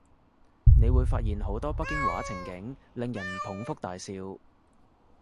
你會發現好多北方話情景，令人捧腹大笑